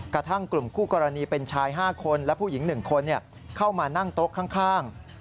กระทั่งกลุ่มคู่กรณีเป็นชาย๕คนและผู้หญิง๑คนเข้ามานั่งโต๊ะข้าง